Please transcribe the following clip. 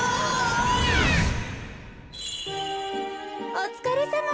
おつかれさま。